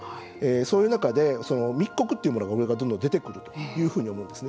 そういう中で、密告というものが出てくるというふうに思うんですね。